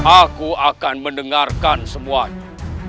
aku akan mendengarkan semuanya